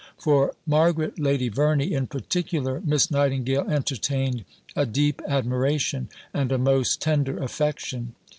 For Margaret Lady Verney, in particular, Miss Nightingale entertained a deep admiration and a most tender affection.